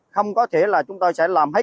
không có thể là chúng tôi sẽ làm hết